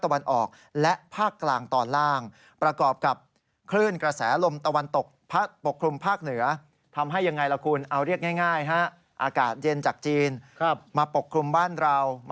มาปกคลุมบ้านเรามาใกล้บ้านเรา